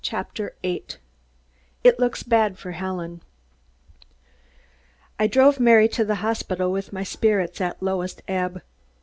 CHAPTER EIGHT IT LOOKS BAD FOR HELEN I drove Mary to the hospital with my spirits at lowest ebb.